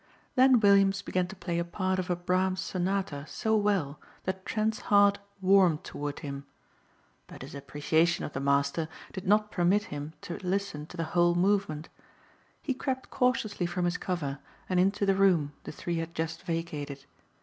Then Williams began to play a part of a Brahms sonata so well that Trent's heart warmed toward him. But his appreciation of the master did not permit him to listen to the whole movement. He crept cautiously from his cover and into the room the three had just vacated.